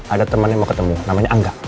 ada teman yang mau ketemu namanya angga